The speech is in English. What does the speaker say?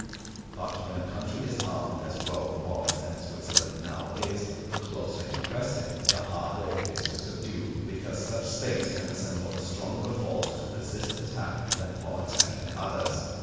But when a country is armed as Rome was and Switzerland now is, the closer you press it, the harder it is to subdue; because such States can assemble a stronger force to resist attack than for attacking others.